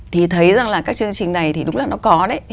thì thấy rằng là các chương trình này thì đúng là nó có đấy